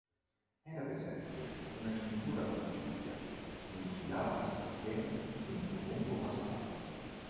Era presente una cintura con fibbia infilata sulla schiena in un lungo passante.